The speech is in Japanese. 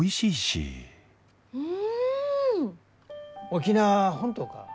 沖縄は本島か？